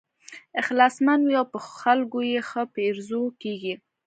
اخلاصمن وي او په خلکو یې ښه پیرزو کېږي.